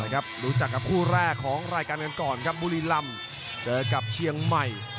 รู้จักกับคู่แรกของรายการกันก่อนครับบุรีลำเจอกับเชียงใหม่